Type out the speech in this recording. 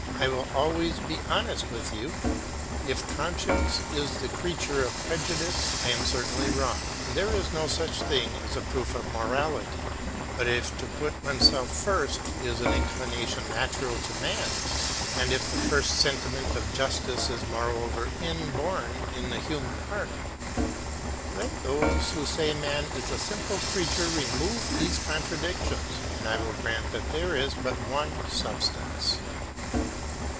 I will always be honest with you. If conscience is the creature of prejudice, I am certainly wrong, and there is no such thing as a proof of morality; but if to put oneself first is an inclination natural to man, and if the first sentiment of justice is moreover inborn in the human heart, let those who say man is a simple creature remove these contradictions and I will grant that there is but one substance.